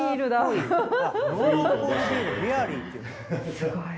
すごい。